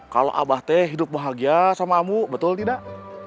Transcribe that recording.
kalau abah teh hidup bahagia sama amu betul tidak